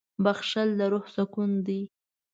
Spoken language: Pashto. • بښل د روح سکون دی.